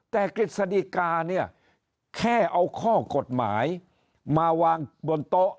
แต่กฤษฎิกาเนี่ยแค่เอาข้อกฎหมายมาวางบนโต๊ะ